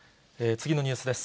次のニュースです。